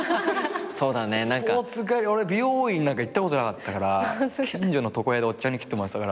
俺美容院なんか行ったことなかったから近所の床屋でおっちゃんに切ってもらってたから。